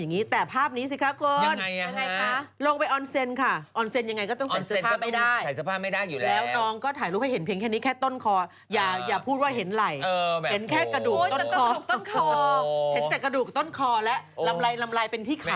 ยังไงค่ะโกนลงไปออนเซนค่ะออนเซนยังไงก็ต้องเสร็จสภาพไม่ได้แล้วน้องก็ถ่ายรูปให้เห็นเพียงแค่นี้แค่ต้นคออย่าพูดว่าเห็นไหล่เห็นแค่กระดูกต้นคอแล้วลำลายเป็นที่ขา